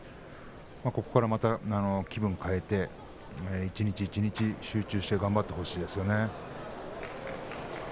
ここから気分を変えて一日一日集中して頑張ってほしいですね。